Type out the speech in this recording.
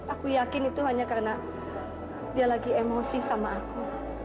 aku yakin itu hanya karena dia lagi emosi sama aku